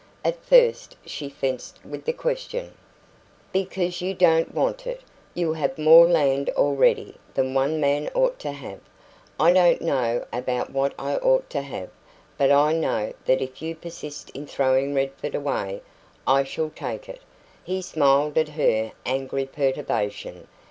At first she fenced with the question. "Because you don't want it. You have more land already than one man ought to have." "I don't know about what I ought to have, but I know that if you persist in throwing Redford away, I shall take it." He smiled at her angry perturbation.